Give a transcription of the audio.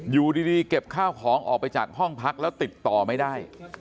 อยู่ดีเก็บข้าวของออกไปจากห้องพักแล้วติดต่อไม่ได้